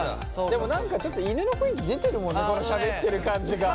でも何かちょっと犬の雰囲気出てるもんねしゃべってる感じが。